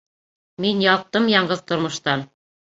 Мин ялҡтым яңғыҙ тормоштан!